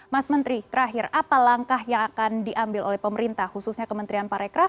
mas menteri terakhir apa langkah yang akan diambil oleh pemerintah khususnya kementerian parekraf